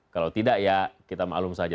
kalau tidak ya kita maklum saja